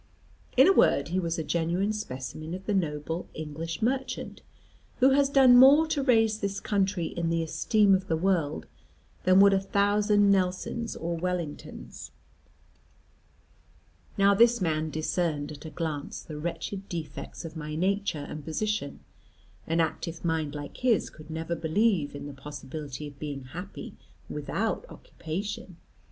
In a word, he was a genuine specimen of the noble English merchant, who has done more to raise this country in the esteem of the world than would a thousand Nelsons or Wellingtons. Now this man discerned at a glance the wretched defects of my nature and position. An active mind like his could never believe in the possibility of being happy without occupation.